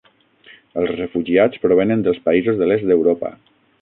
Els refugiats provenen dels països de l'Est d'Europa.